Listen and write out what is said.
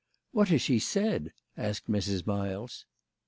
" What has she said ?" asked Mrs. Miles.